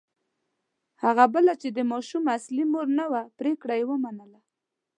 هغه بله چې د ماشوم اصلي مور نه وه پرېکړه یې ومنله.